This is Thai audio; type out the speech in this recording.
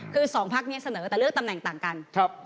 คือ๒พักนี้เสนอแต่เลือกตำแหน่งต่างกัน